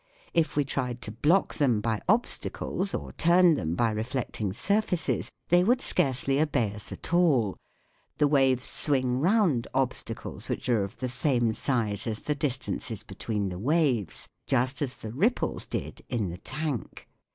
If we tried to block them by obstacles or turn them by reflecting surfaces, they would scarcely obey us at all : the waves swing round WHAT IS SOUND? 23 obstacles which are of the same size as the distances between the waves, just as the ripples did in the tank.